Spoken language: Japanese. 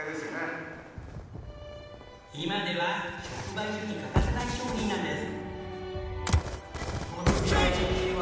今では直売所に欠かせない商品なんです。